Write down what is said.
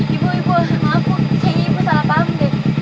ibu ibu maaf ibu salah paham deh